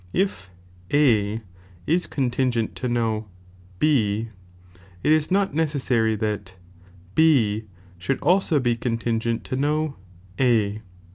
if A is contingent to no B, it is not neceasary that B should also be contingent to no A.